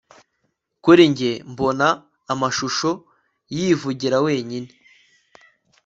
kuri njye mbona amashusho yivugira wenyine